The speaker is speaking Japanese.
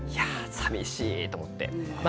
寂しいと思って。